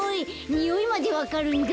においまでわかるんだ。